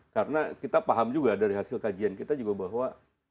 karena kita paham juga dari hasil kajian kita juga bahwa